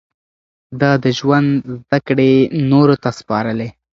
ده د ژوند زده کړې نورو ته سپارلې.